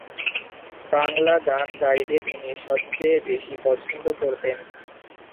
বাংলা গান গাইতে তিনি সবচেয়ে বেশি পছন্দ করতেন।